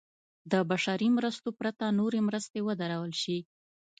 د بشري مرستو پرته نورې مرستې ودرول شي.